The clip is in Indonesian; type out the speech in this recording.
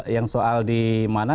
yang soal di mana